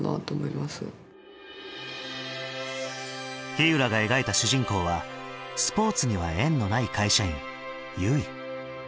ひうらが描いた主人公はスポーツには縁のない会社員結衣。